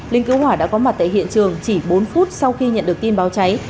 lính cứu hỏa đã có mặt tại hiện trường chỉ bốn phút sau khi nhận được tin báo cháy